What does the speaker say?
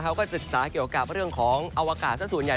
เขาก็ศึกษาเกี่ยวกับเรื่องของอวกาศสักส่วนใหญ่